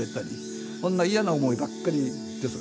そんな嫌な思いばっかりです。